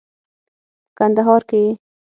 په کندهار کې یې